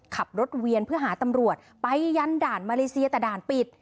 ขับรถเวียนเพื่อหาตำรวจไปยันด่านมาเลเซียแต่ด่านปิด